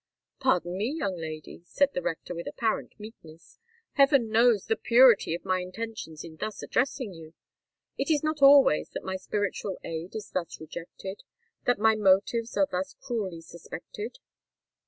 "Pardon me, young lady," said the rector with apparent meekness: "heaven knows the purity of my intentions in thus addressing you. It is not always that my spiritual aid is thus rejected—that my motives are thus cruelly suspected."